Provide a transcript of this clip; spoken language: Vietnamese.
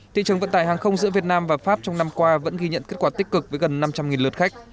thị trường vận tải hàng không giữa việt nam và pháp trong năm qua vẫn ghi nhận kết quả tích cực với gần năm trăm linh lượt khách